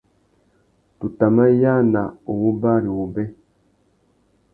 Tu tà mà yāna u wú bari wubê.